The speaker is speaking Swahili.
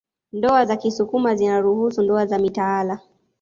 Ndoa za kisukuma zinaruhusu ndoa za mitaala